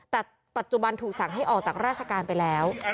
แต่ปัจจุบันถูกสั่งให้ออกจากราชการไปแล้ว